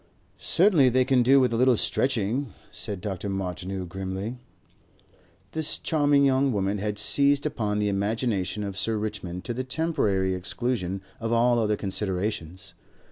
"Certainly they can do with a little stretching," said Dr. Martineau grimly. This charming young woman had seized upon the imagination of Sir Richmond to the temporary exclusion of all other considerations.